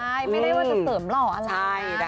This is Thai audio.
ใช่ไม่ได้ว่าจะเสริมหล่ออะไร